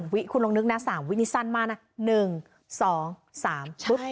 ๓วิคุณลองนึกนะ๓วินี่สั้นมานะ